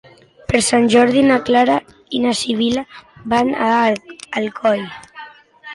Per Sant Jordi na Clara i na Sibil·la van a Alcoi.